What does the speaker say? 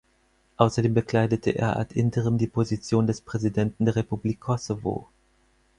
Außerdem bekleidete er ad interim die Position des Präsidenten der Republik Kosovo.